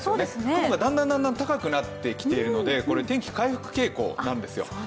雲がだんだんだんだん高くなってきているので、天気、回復傾向なんですよ。